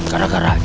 makin gara gara aja